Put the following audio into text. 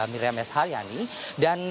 miriam s hariani dan